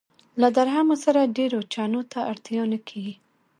له درهمو سره ډېرو چنو ته اړتیا نه کېږي.